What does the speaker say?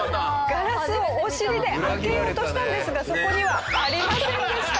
ガラスをお尻で開けようとしたんですがそこにはありませんでした。